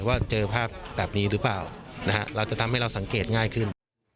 ว่าเจอภาพแบบนี้หรือเปล่าเราจะทำให้เราสังเกตง่ายขึ้น